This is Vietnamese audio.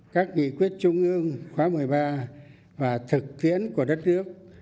các nghị quyết trung ương khóa một mươi ba và thực tiễn của đất nước